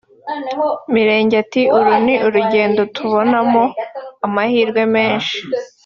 Mirenge ati “Uru ni urugendo tubonamo amahirwe menshi